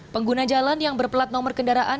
pengguna jalan yang berplat nomor kendaraan